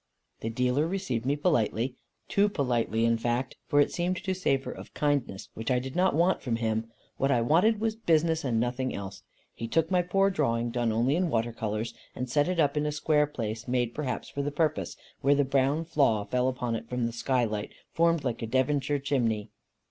The dealer received me politely. Too politely in fact: for it seemed to savour of kindness, which I did not want from him. What I wanted was business, and nothing else. He took my poor drawing, done only in water colours, and set it up in a square place made perhaps for the purpose, where the brown flaw fell upon it from a skylight formed like a Devonshire chimney.